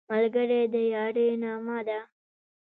ملګری د یارۍ نغمه ده